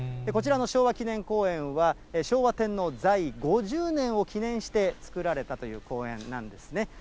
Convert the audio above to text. こちらの昭和記念公園は、昭和天皇在位５０年を記念して作られたという公園なんですね。